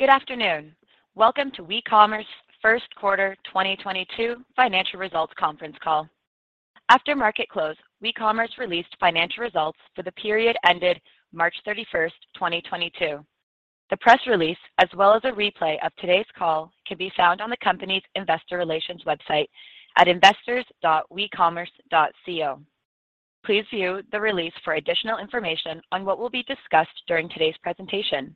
Good afternoon. Welcome to WeCommerce first quarter 2022 financial results conference call. After market close, WeCommerce released financial results for the period ended March 31st, 2022. The press release, as well as a replay of today's call, can be found on the company's investor relations website at investors.wecommerce.co. Please view the release for additional information on what will be discussed during today's presentation.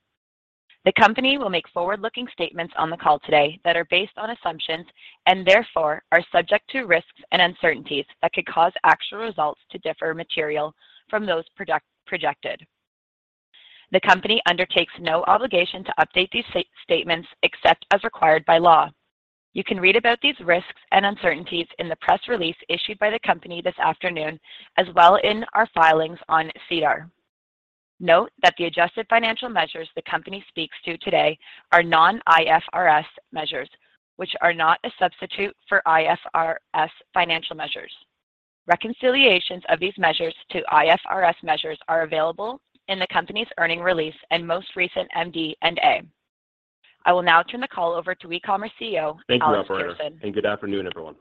The company will make forward-looking statements on the call today that are based on assumptions and therefore are subject to risks and uncertainties that could cause actual results to differ materially from those projected. The company undertakes no obligation to update these statements except as required by law. You can read about these risks and uncertainties in the press release issued by the company this afternoon, as well as in our filings on SEDAR. Note that the adjusted financial measures the company speaks to today are non-IFRS measures, which are not a substitute for IFRS financial measures. Reconciliations of these measures to IFRS measures are available in the company's earnings release and most recent MD&A. I will now turn the call over to WeCommerce CEO, Alex Persson. Thank you, operator, and good afternoon, everyone.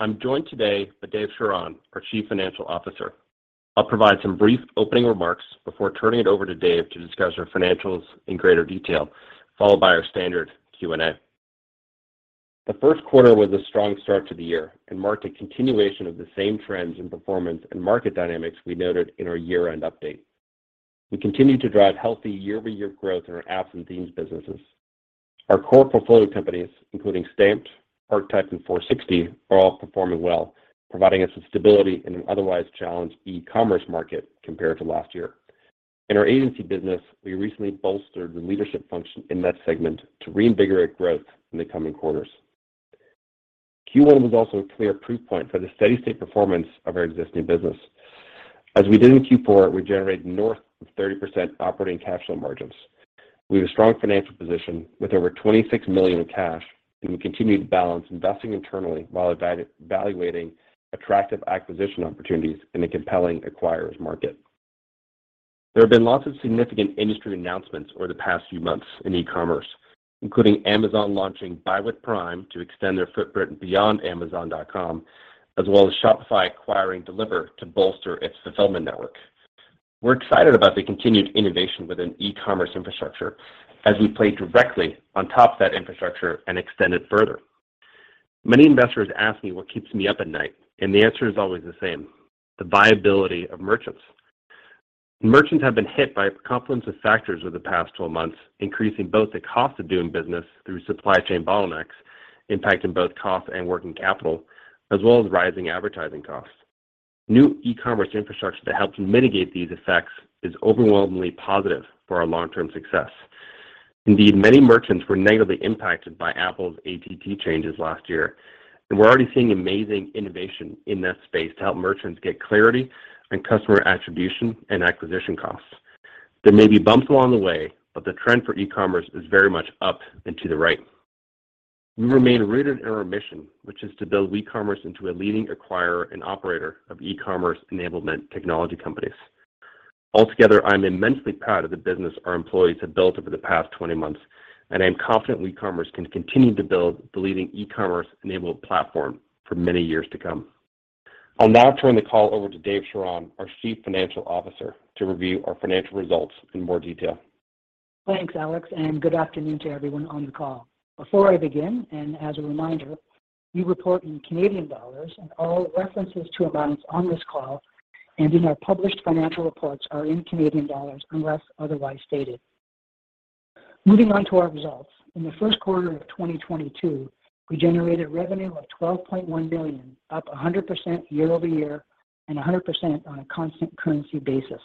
I'm joined today by David Charron, our Chief Financial Officer. I'll provide some brief opening remarks before turning it over to David to discuss our financials in greater detail, followed by our standard Q&A. The first quarter was a strong start to the year and marked a continuation of the same trends in performance and market dynamics we noted in our year-end update. We continued to drive healthy year-over-year growth in our apps and themes businesses. Our core portfolio companies, including Stamped, Archetype, and Foursixty, are all performing well, providing us with stability in an otherwise challenged e-commerce market compared to last year. In our agency business, we recently bolstered the leadership function in that segment to reinvigorate growth in the coming quarters. Q1 was also a clear proof point for the steady-state performance of our existing business. As we did in Q4, we generated north of 30% operating cash flow margins. We have a strong financial position with over 26 million in cash, and we continued to balance investing internally while evaluating attractive acquisition opportunities in a compelling acquirers market. There have been lots of significant industry announcements over the past few months in e-commerce, including Amazon launching Buy with Prime to extend their footprint beyond amazon.com, as well as Shopify acquiring Deliverr to bolster its fulfillment network. We're excited about the continued innovation within e-commerce infrastructure as we play directly on top of that infrastructure and extend it further. Many investors ask me what keeps me up at night, and the answer is always the same, the viability of merchants. Merchants have been hit by a confluence of factors over the past 12 months, increasing both the cost of doing business through supply chain bottlenecks, impacting both cost and working capital, as well as rising advertising costs. New e-commerce infrastructure to help mitigate these effects is overwhelmingly positive for our long-term success. Indeed, many merchants were negatively impacted by Apple's ATT changes last year, and we're already seeing amazing innovation in that space to help merchants get clarity on customer attribution and acquisition costs. There may be bumps along the way, but the trend for e-commerce is very much up and to the right. We remain rooted in our mission, which is to build WeCommerce into a leading acquirer and operator of e-commerce enablement technology companies. Altogether, I'm immensely proud of the business our employees have built over the past 20 months, and I am confident WeCommerce can continue to build the leading e-commerce enabled platform for many years to come. I'll now turn the call over to David Charron, our Chief Financial Officer, to review our financial results in more detail. Thanks, Alex, and good afternoon to everyone on the call. Before I begin, as a reminder, we report in Canadian dollars and all references to amounts on this call and in our published financial reports are in Canadian dollars unless otherwise stated. Moving on to our results. In the first quarter of 2022, we generated revenue of 12.1 billion, up 100% year-over-year and 100% on a constant currency basis.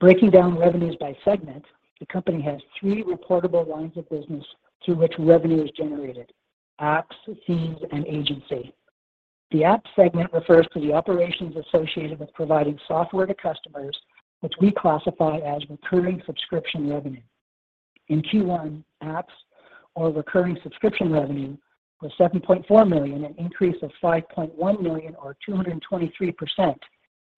Breaking down revenues by segment, the company has three reportable lines of business through which revenue is generated, apps, themes, and agency. The app segment refers to the operations associated with providing software to customers, which we classify as recurring subscription revenue. In Q1, apps or recurring subscription revenue was 7.4 million, an increase of 5.1 million or 223%,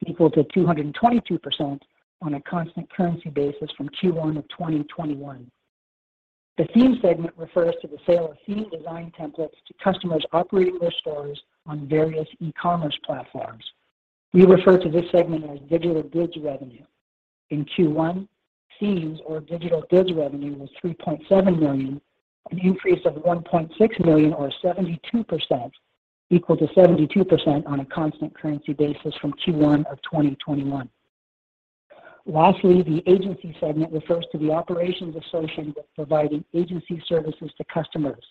equal to 222% on a constant currency basis from Q1 of 2021. The theme segment refers to the sale of theme design templates to customers operating their stores on various e-commerce platforms. We refer to this segment as digital goods revenue. In Q1, themes or digital goods revenue was 3.7 million, an increase of 1.6 million or 72%, equal to 72% on a constant currency basis from Q1 of 2021. Lastly, the agency segment refers to the operations associated with providing agency services to customers.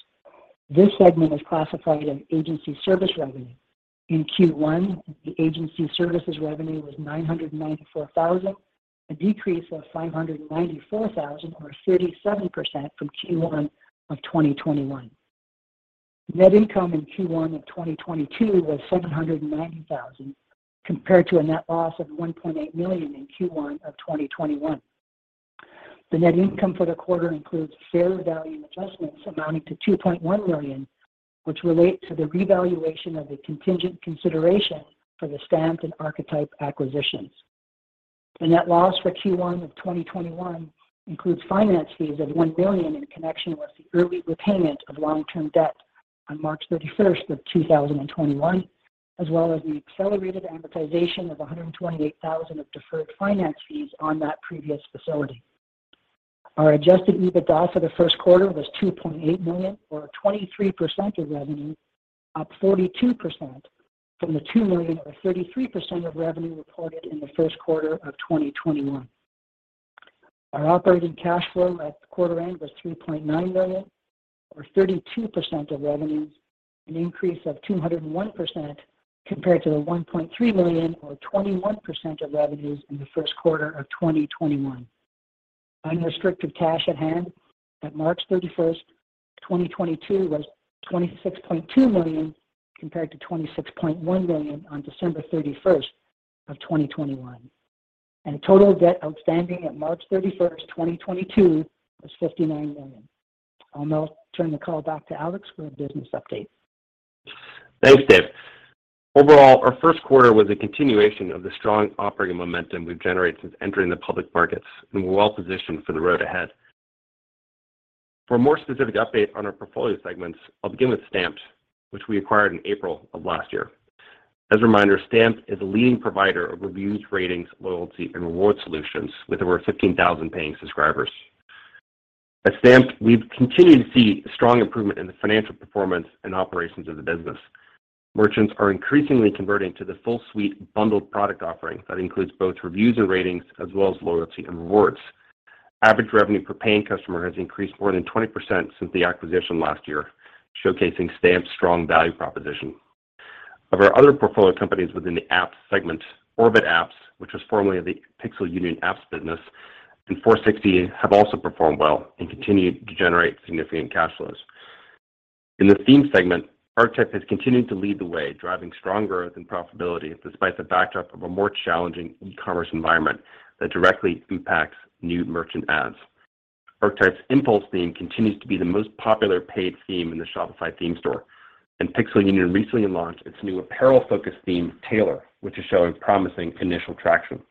This segment is classified as agency service revenue. In Q1, agency services revenue was 994,000, a decrease of 594,000 or 37% from Q1 of 2021. Net income in Q1 of 2022 was 790,000, compared to a net loss of 1.8 million in Q1 of 2021. The net income for the quarter includes fair value adjustments amounting to 2.1 million, which relate to the revaluation of the contingent consideration for the Stamped and Archetype acquisitions. The net loss for Q1 of 2021 includes finance fees of one million in connection with the early repayment of long-term debt on March 31st, 2021, as well as the accelerated amortization of 128,000 of deferred finance fees on that previous facility. Our adjusted EBITDA for the first quarter was 2.8 million, or 23% of revenue, up 42% from the 2 million or 33% of revenue reported in the first quarter of 2021. Our operating cash flow at quarter end was 3.9 million, or 32% of revenues, an increase of 201% compared to the 1.3 million or 21% of revenues in the first quarter of 2021. Unrestricted cash at hand at March 31st, 2022 was 26.2 million, compared to 26.1 million on December 31st, 2021. Total debt outstanding at March 31st, 2022 was 59 million. I'll now turn the call back to Alex for a business update. Thanks, Dave. Overall, our first quarter was a continuation of the strong operating momentum we've generated since entering the public markets, and we're well-positioned for the road ahead. For a more specific update on our portfolio segments, I'll begin with Stamped, which we acquired in April of last year. As a reminder, Stamped is a leading provider of reviews, ratings, loyalty, and reward solutions with over 15,000 paying subscribers. At Stamped, we've continued to see strong improvement in the financial performance and operations of the business. Merchants are increasingly converting to the full suite bundled product offering that includes both reviews and ratings, as well as loyalty and rewards. Average revenue per paying customer has increased more than 20% since the acquisition last year, showcasing Stamped's strong value proposition. Of our other portfolio companies within the apps segment, Orbit Apps, which was formerly the Pixel Union apps business, and Foursixty have also performed well and continued to generate significant cash flows. In the theme segment, Archetype has continued to lead the way, driving strong growth and profitability despite the backdrop of a more challenging e-commerce environment that directly impacts new merchant adds. Archetype's Impulse theme continues to be the most popular paid theme in the Shopify theme store, and Pixel Union recently launched its new apparel-focused theme, Tailor, which is showing promising initial traction.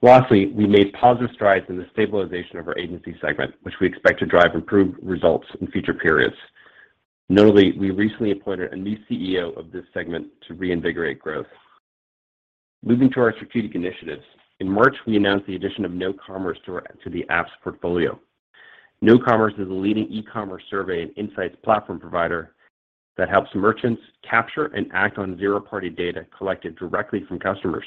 Lastly, we made positive strides in the stabilization of our agency segment, which we expect to drive improved results in future periods. Notably, we recently appointed a new CEO of this segment to reinvigorate growth. Moving to our strategic initiatives, in March, we announced the addition of KnoCommerce to the apps portfolio. KnoCommerce is a leading e-commerce survey and insights platform provider that helps merchants capture and act on zero-party data collected directly from customers.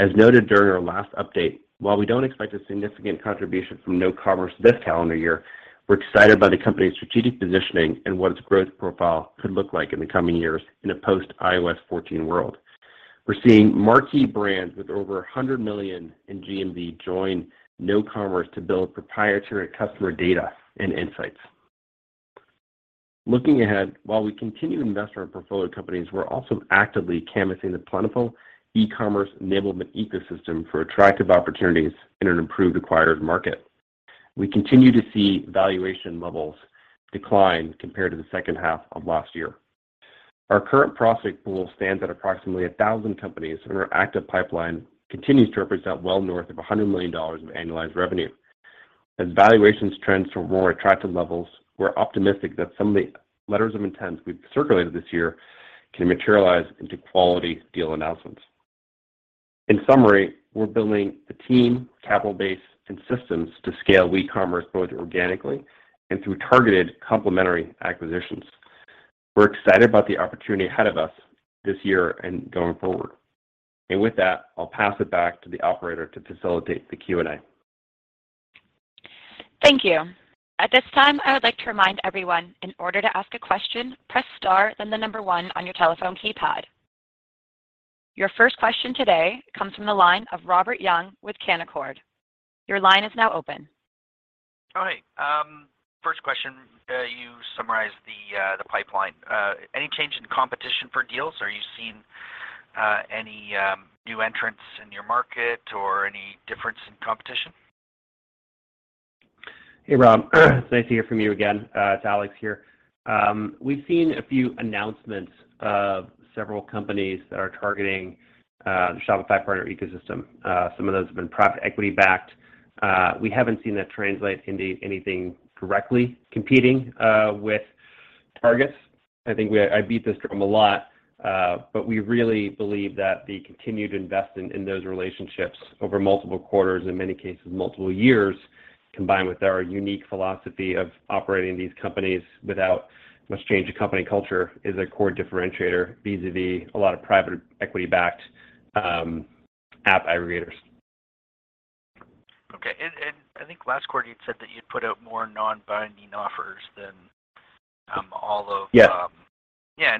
As noted during our last update, while we don't expect a significant contribution from KnoCommerce this calendar year, we're excited by the company's strategic positioning and what its growth profile could look like in the coming years in a post-iOS 14 world. We're seeing marquee brands with over 100 million in GMV join KnoCommerce to build proprietary customer data and insights. Looking ahead, while we continue to invest in our portfolio companies, we're also actively canvassing the plentiful e-commerce enablement ecosystem for attractive opportunities in an improved acquired market. We continue to see valuation levels decline compared to the second half of last year. Our current prospect pool stands at approximately 1,000 companies, and our active pipeline continues to represent well north of 100 million dollars of annualized revenue. As valuations trends to more attractive levels, we're optimistic that some of the letters of intent we've circulated this year can materialize into quality deal announcements. In summary, we're building the team, capital base, and systems to scale WeCommerce both organically and through targeted complementary acquisitions. We're excited about the opportunity ahead of us this year and going forward. With that, I'll pass it back to the operator to facilitate the Q&A. Thank you. At this time, I would like to remind everyone in order to ask a question, press star then the number one on your telephone keypad. Your first question today comes from the line of Robert Young with Canaccord. Your line is now open. All right. First question, you summarized the pipeline. Any change in competition for deals? Are you seeing any new entrants in your market or any difference in competition? Hey, Rob. It's nice to hear from you again. It's Alex here. We've seen a few announcements of several companies that are targeting the Shopify partner ecosystem. Some of those have been private equity backed. We haven't seen that translate into anything directly competing with targets. I think I beat this drum a lot, but we really believe that the continued investment in those relationships over multiple quarters, in many cases multiple years, combined with our unique philosophy of operating these companies without much change of company culture is a core differentiator vis-a-vis a lot of private equity backed app aggregators. Okay. I think last quarter you'd said that you'd put out more non-binding offers than all of Yeah. Yeah.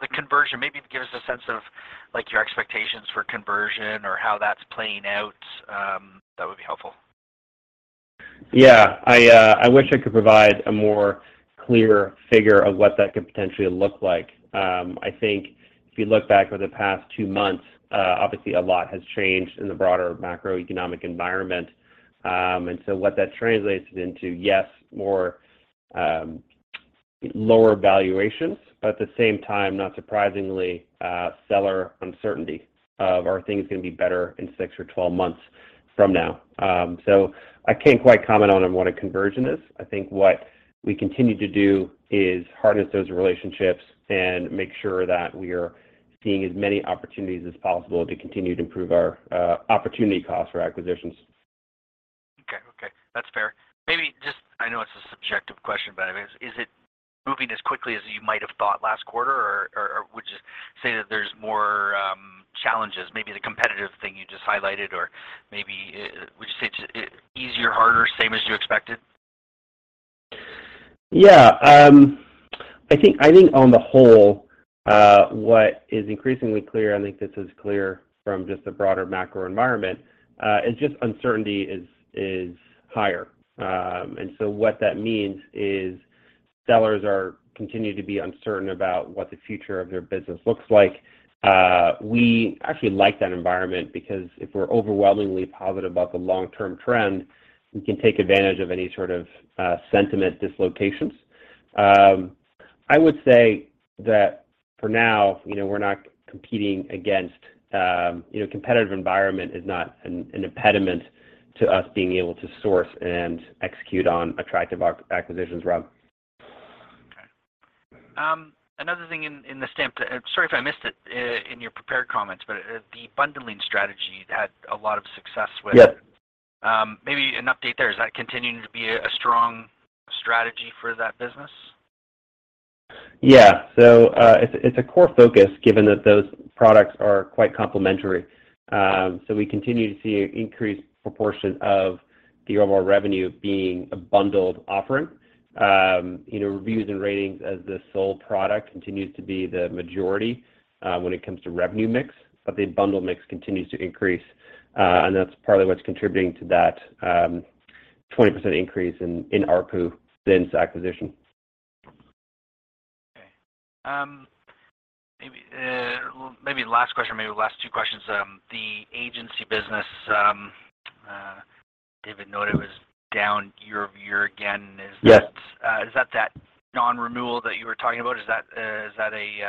The conversion, maybe give us a sense of like your expectations for conversion or how that's playing out. That would be helpful. Yeah. I wish I could provide a more clear figure of what that could potentially look like. I think if you look back over the past two months, obviously a lot has changed in the broader macroeconomic environment. What that translates into, yes, more lower valuations, but at the same time, not surprisingly, seller uncertainty over whether things gonna be better in six or 12 months from now. I can't quite comment on what a conversion is. I think what we continue to do is harness those relationships and make sure that we are seeing as many opportunities as possible to continue to improve our opportunity cost for acquisitions. Okay. That's fair. Maybe just I know it's a subjective question, but I mean, is it moving as quickly as you might have thought last quarter or would you say that there's more challenges, maybe the competitive thing you just highlighted, or maybe would you say it's easier, harder, same as you expected? Yeah. I think on the whole, what is increasingly clear, I think this is clear from just the broader macro environment, is just uncertainty is higher. What that means is sellers are continuing to be uncertain about what the future of their business looks like. We actually like that environment because if we're overwhelmingly positive about the long-term trend, we can take advantage of any sort of sentiment dislocations. I would say that for now, you know, we're not competing against, you know, competitive environment is not an impediment to us being able to source and execute on attractive acquisitions, Rob. Okay. Another thing in Stamped, sorry if I missed it in your prepared comments, but the bundling strategy had a lot of success with- Yes. Maybe an update there. Is that continuing to be a strong strategy for that business? It's a core focus given that those products are quite complementary. We continue to see increased proportion of the overall revenue being a bundled offering. Reviews and ratings as the sole product continues to be the majority when it comes to revenue mix, but the bundle mix continues to increase. That's partly what's contributing to that 20% increase in ARPU since acquisition. Okay. Maybe last question, maybe last two questions. The agency business, David noted, was down year-over-year again. Is that- Yes. Is that non-renewal that you were talking about? Is that a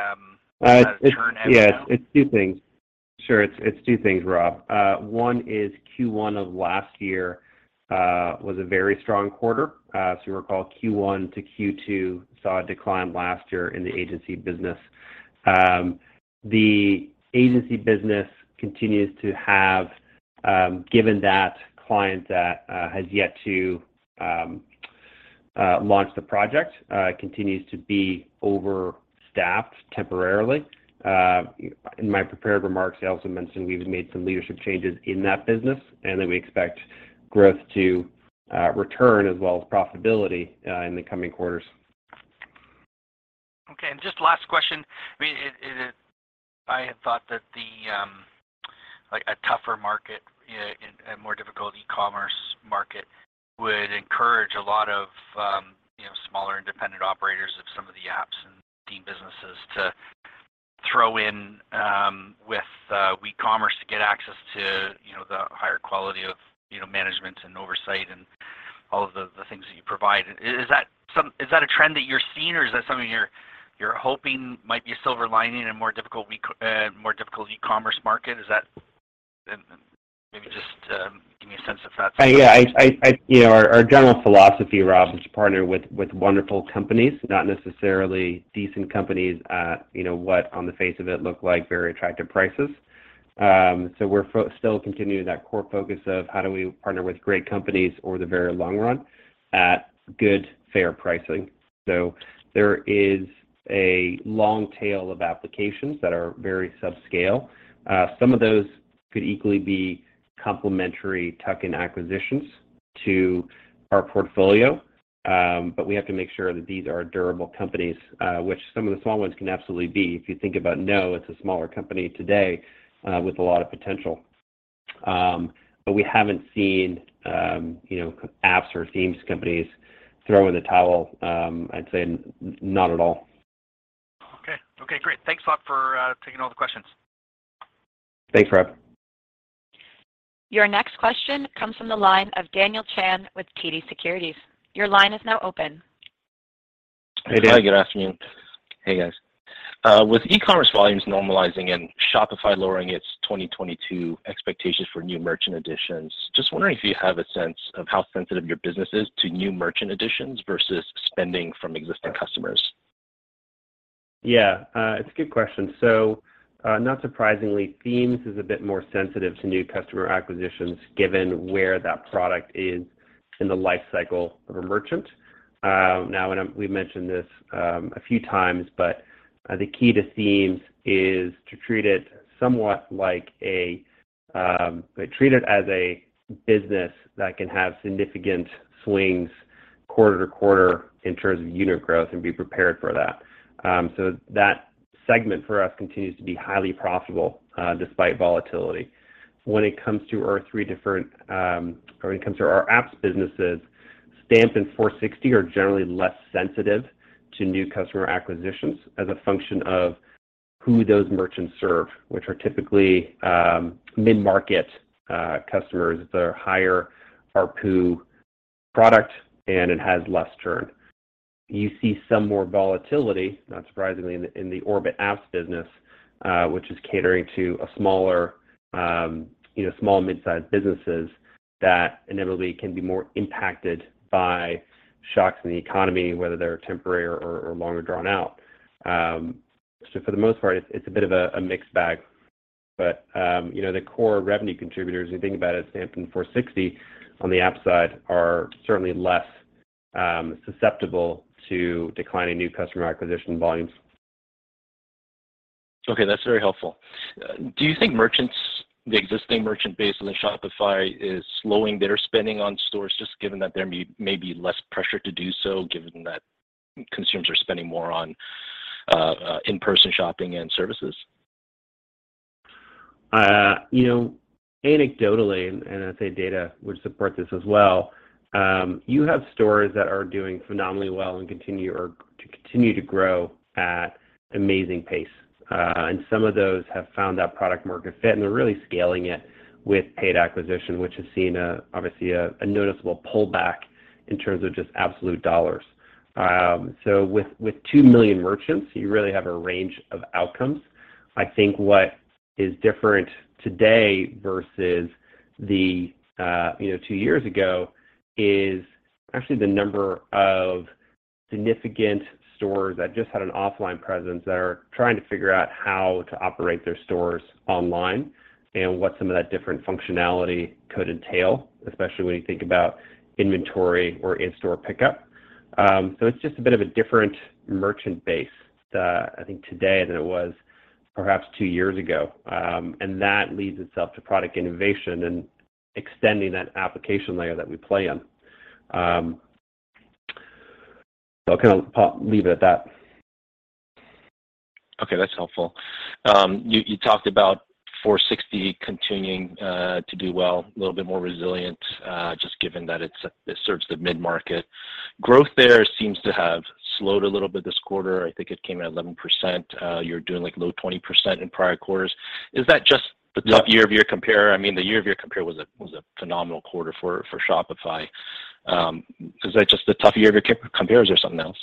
churn out? Yes. It's two things, Rob. One is Q1 of last year was a very strong quarter. As you recall, Q1 to Q2 saw a decline last year in the agency business. The agency business continues to have, given that client that has yet to launch the project, continues to be overstaffed temporarily. In my prepared remarks, I also mentioned we've made some leadership changes in that business, and that we expect growth to return as well as profitability in the coming quarters. Okay. Just last question. I mean, I had thought that the like a tougher market in a more difficult e-commerce market would encourage a lot of you know smaller independent operators of some of the apps and theme businesses to throw in with WeCommerce to get access to you know the higher quality of you know management and oversight and all of the things that you provide. Is that a trend that you're seeing or is that something you're hoping might be a silver lining in a more difficult e-commerce market? Is that. Maybe just give me a sense if that's. Yeah. You know, our general philosophy, Rob, is to partner with wonderful companies, not necessarily decent companies at, you know, what on the face of it look like very attractive prices. We're still continuing that core focus of how do we partner with great companies over the very long run at good, fair pricing. There is a long tail of applications that are very subscale. Some of those could equally be complementary tuck-in acquisitions to our portfolio. We have to make sure that these are durable companies, which some of the small ones can absolutely be. If you think about KnoCommerce, it's a smaller company today with a lot of potential. We haven't seen, you know, apps or themes companies throw in the towel. I'd say not at all. Okay. Okay, great. Thanks a lot for taking all the questions. Thanks, Rob. Your next question comes from the line of Daniel Chan with TD Securities. Your line is now open. Hey, Dan. Hi, good afternoon. Hey, guys. With e-commerce volumes normalizing and Shopify lowering its 2022 expectations for new merchant additions, just wondering if you have a sense of how sensitive your business is to new merchant additions versus spending from existing customers? Yeah. It's a good question. Not surprisingly, Themes is a bit more sensitive to new customer acquisitions given where that product is in the life cycle of a merchant. Now, we've mentioned this a few times, but the key to Themes is to treat it as a business that can have significant swings quarter to quarter in terms of unit growth and be prepared for that. That segment for us continues to be highly profitable despite volatility. When it comes to our apps businesses, Stamped and Foursixty are generally less sensitive to new customer acquisitions as a function of who those merchants serve, which are typically mid-market customers. It's a higher ARPU product, and it has less churn. You see some more volatility, not surprisingly, in the Orbit Apps business, which is catering to small mid-sized businesses that inevitably can be more impacted by shocks in the economy, whether they're temporary or longer drawn out. For the most part, it's a bit of a mixed bag. You know, the core revenue contributors, if you think about it, Stamped and Foursixty on the app side are certainly less susceptible to declining new customer acquisition volumes. Okay, that's very helpful. Do you think merchants, the existing merchant base on the Shopify is slowing their spending on stores just given that there may be less pressure to do so given that consumers are spending more on in-person shopping and services? You know, anecdotally, and I'd say data would support this as well, you have stores that are doing phenomenally well and continue to grow at amazing pace. And some of those have found that product market fit, and they're really scaling it with paid acquisition, which has seen, obviously, a noticeable pullback in terms of just absolute dollars. So with 2 million merchants, you really have a range of outcomes. I think what is different today versus two years ago is actually the number of significant stores that just had an offline presence that are trying to figure out how to operate their stores online and what some of that different functionality could entail, especially when you think about inventory or in-store pickup. It's just a bit of a different merchant base, I think today than it was perhaps two years ago. That lends itself to product innovation and extending that application layer that we play in. I'll kinda leave it at that. Okay, that's helpful. You talked about Foursixty continuing to do well, a little bit more resilient, just given that it serves the mid-market. Growth there seems to have slowed a little bit this quarter. I think it came in at 11%. You were doing, like, low 20% in prior quarters. Is that just the- Yeah Tough year-over-year compare? I mean, the year-over-year compare was a phenomenal quarter for Shopify. Is that just the tough year-over-year compares or something else?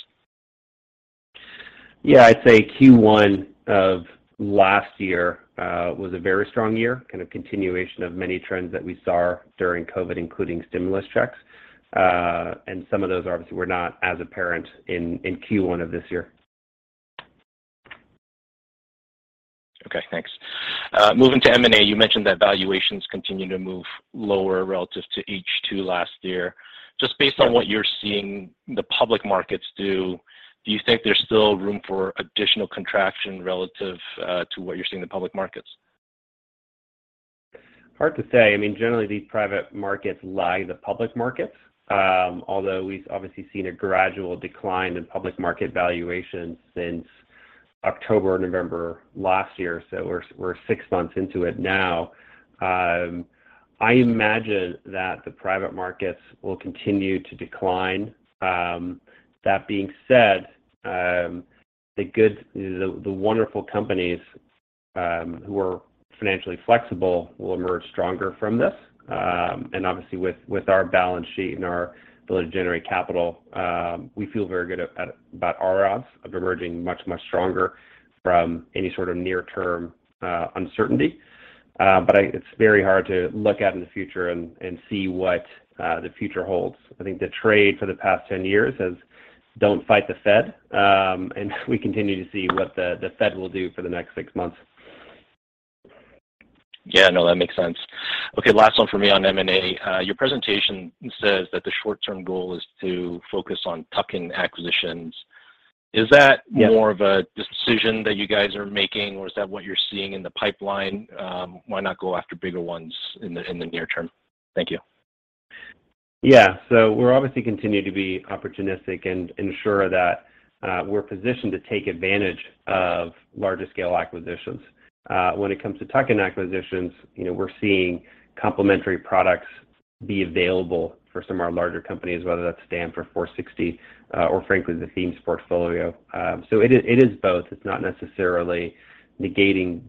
Yeah. I'd say Q1 of last year was a very strong year, kind of continuation of many trends that we saw during COVID, including stimulus checks. Some of those obviously were not as apparent in Q1 of this year. Okay, thanks. Moving to M&A, you mentioned that valuations continue to move lower relative to H2 last year. Just based on what you're seeing the public markets do you think there's still room for additional contraction relative to what you're seeing in the public markets? Hard to say. I mean, generally, these private markets lag the public markets, although we've obviously seen a gradual decline in public market valuations since October, November last year, so we're six months into it now. I imagine that the private markets will continue to decline. That being said, the good, the wonderful companies who are financially flexible will emerge stronger from this. Obviously with our balance sheet and our ability to generate capital, we feel very good about our odds of emerging much stronger from any sort of near-term uncertainty. It's very hard to look out in the future and see what the future holds. I think the trade for the past 10 years has, don't fight the Fed, and we continue to see what the Fed will do for the next six months. Yeah. No, that makes sense. Okay, last one for me on M&A. Your presentation says that the short-term goal is to focus on tuck-in acquisitions. Is that? Yeah More of a decision that you guys are making, or is that what you're seeing in the pipeline? Why not go after bigger ones in the near term? Thank you. Yeah. We're obviously continuing to be opportunistic and ensure that we're positioned to take advantage of larger scale acquisitions. When it comes to tuck-in acquisitions, you know, we're seeing complementary products be available for some of our larger companies, whether that's Stamped or Foursixty, or frankly, the Themes portfolio. It is both. It's not necessarily negating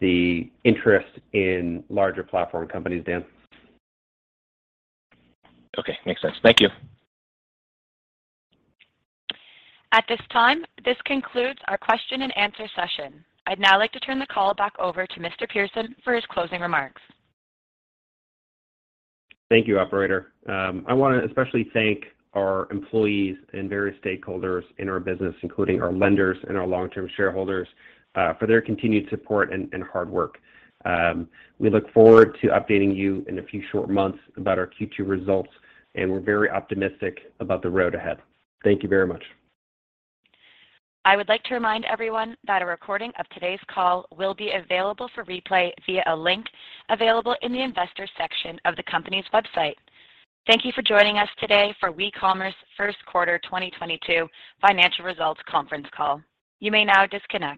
the interest in larger platform companies, Dan. Okay. Makes sense. Thank you. At this time, this concludes our question and answer session. I'd now like to turn the call back over to Mr. Persson for his closing remarks. Thank you, operator. I wanna especially thank our employees and various stakeholders in our business, including our lenders and our long-term shareholders, for their continued support and hard work. We look forward to updating you in a few short months about our Q2 results, and we're very optimistic about the road ahead. Thank you very much. I would like to remind everyone that a recording of today's call will be available for replay via a link available in the Investors section of the company's website. Thank you for joining us today for WeCommerce first quarter 2022 financial results conference call. You may now disconnect.